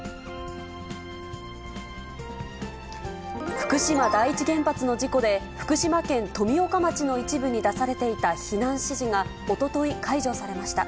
福島第一原発の事故で、福島県富岡町の一部に出されていた避難指示がおととい解除されました。